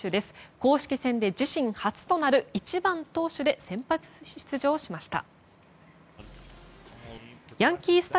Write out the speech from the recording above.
公式戦で自身初となる１番投手で先発出場しました。